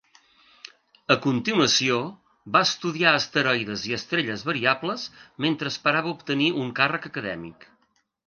A continuació, va estudiar asteroides i estrelles variables, mentre esperava obtenir un càrrec acadèmic.